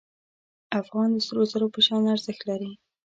افغان د سرو زرو په شان ارزښت لري.